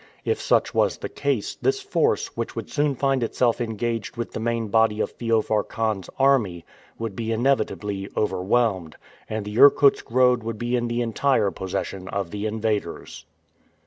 If such was the case, this force, which would soon find itself engaged with the main body of Feofar Khan's army, would be inevitably overwhelmed, and the Irkutsk road would be in the entire possession of the invaders.